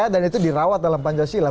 dan itu dirawat dalam pancasila